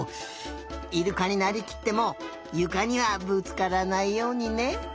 イルカになりきってもゆかにはぶつからないようにね。